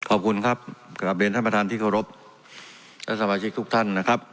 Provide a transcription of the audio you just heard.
ขอบคุณครับกลับเรียนท่านประธานที่เคารพและสมาชิกทุกท่านนะครับ